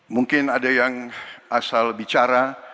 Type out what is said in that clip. mungkin ada yang asal bicara